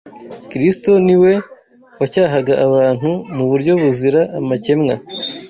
Kristo ni we wacyahaga abantu mu buryo buzira amakemwa